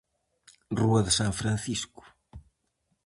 Rúa de San Francisco.